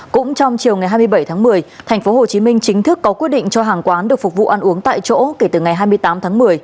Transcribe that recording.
cũng trong chiều ngày hai mươi bảy tháng một mươi tp hcm chính thức có quyết định cho hàng quán được phục vụ ăn uống tại chỗ kể từ ngày hai mươi tám tháng một mươi